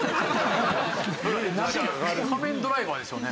「仮面ドライバー」ですよね。